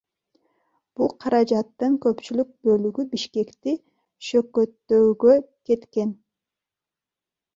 Бул каражаттын көпчүлүк бөлүгү Бишкекти шөкөттөөгө кеткен.